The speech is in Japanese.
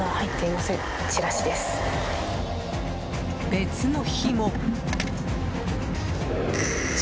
別の日も。